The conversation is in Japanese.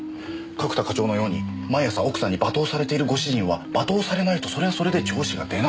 角田課長のように毎朝奥さんに罵倒されているご主人は罵倒されないとそれはそれで調子が出ない。